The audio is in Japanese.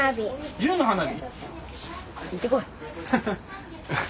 銃の花火？